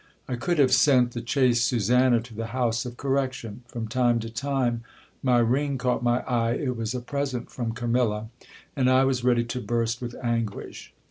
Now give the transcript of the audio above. I could have sent the chaste Susanna to the house of correction. From time to time my ring caught my eye, it was a present from Camilla ! and I was ready to burst with anguish.